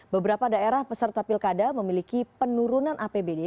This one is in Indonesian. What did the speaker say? beberapa daerah peserta pilkada memiliki penurunan apbd